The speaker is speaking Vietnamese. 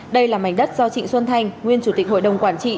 đây là mảnh đất do trịnh xuân thanh nguyên chủ tịch hội đồng quản trị